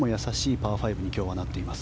パー５に今日はなっています。